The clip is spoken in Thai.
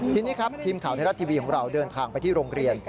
ทีนี้ครับทีมข่าวไทยรัฐทีวีของเราเดินทางไปที่โรงเรียน